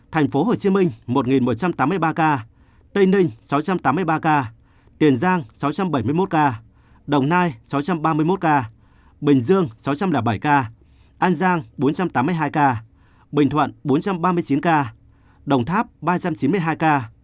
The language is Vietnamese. tp hcm một một trăm tám mươi ba ca tây ninh sáu trăm tám mươi ba ca tiền giang sáu trăm bảy mươi một ca đồng nai sáu trăm ba mươi một ca bình dương sáu trăm linh bảy ca an giang bốn trăm tám mươi hai ca bình thuận bốn trăm ba mươi chín ca đồng tháp ba trăm chín mươi hai ca